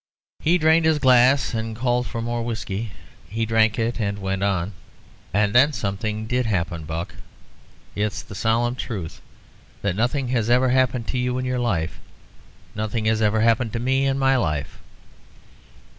He drained his glass and called for more whisky. He drank it, and went on. "And then something did happen. Buck, it's the solemn truth, that nothing has ever happened to you in your life. Nothing had ever happened to me in my life."